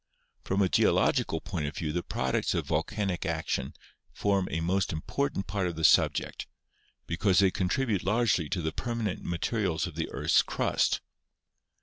From a geological point of view the products of volcanic action form a most important part of the subject, because they contribute largely to the permanent materials of the earth's crust.